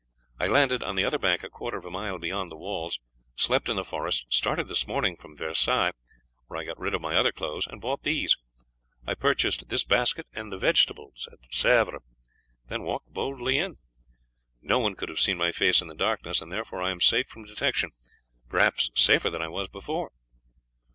I landed on the other bank a quarter of a mile beyond the walls, slept in the forest, started this morning from Versailles, where I got rid of my other clothes and bought these. I purchased this basket and the vegetables at Sèvres, then walked boldly in. No one could have seen my face in the darkness, and therefore I am safe from detection, perhaps safer than I was before."